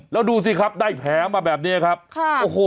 แล้วดูสิครับได้แผลมาแบบนี้ครับค่ะโอ้โห